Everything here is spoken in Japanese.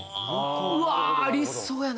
うわありそうやな